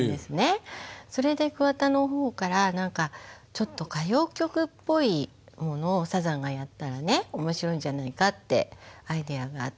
それで桑田の方からちょっと歌謡曲っぽいものをサザンがやったらね面白いんじゃないかってアイデアがあって。